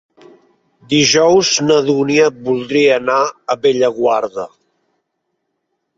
Dijous na Dúnia voldria anar a Bellaguarda.